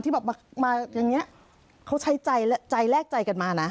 แบบมาอย่างนี้เขาใช้ใจแลกใจกันมานะ